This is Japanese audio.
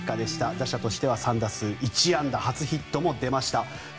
打者として３打数１安打初ヒットも出ました。